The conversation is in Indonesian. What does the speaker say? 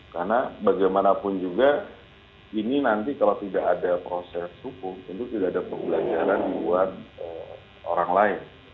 karena bagaimanapun juga ini nanti kalau tidak ada proses hukum tentu tidak ada pengulanganan dibuat orang lain